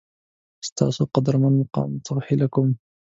ستاسو قدرمن مقام څخه هیله کوم